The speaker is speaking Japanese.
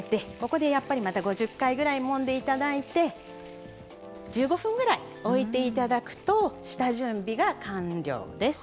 ここでやっぱりまた５０回ぐらいもんでいただいて１５分ぐらい置いていただくと下準備が完了です。